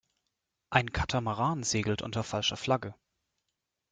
Ein Katamaran segelt unter falscher Flagge.